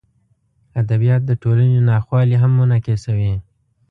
ادبیات د ټولنې ناخوالې هم منعکسوي.